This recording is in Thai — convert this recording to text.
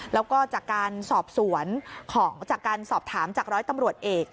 แล้วก็จากการสอบถามจากร้อยตำรวจเอก